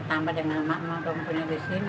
tambah dengan mama bumbunya di sini